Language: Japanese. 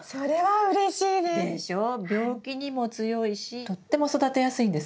病気にも強いしとっても育てやすいんです。